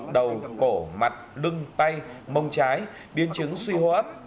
đầu cổ mặt lưng tay mông trái biên chứng suy hô ấp